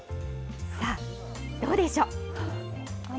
さあ、どうでしょう。